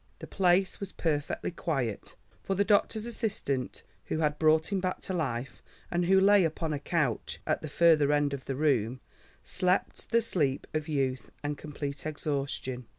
The place was perfectly quiet, for the doctor's assistant who had brought him back to life, and who lay upon a couch at the further end of the room, slept the sleep of youth and complete exhaustion.